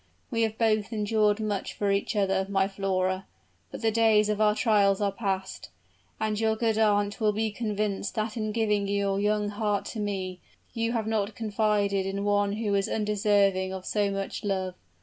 We have both endured much for each other, my Flora; but the days of our trials are passed; and your good aunt will be convinced that in giving your young heart to me, you have not confided in one who is undeserving of so much love.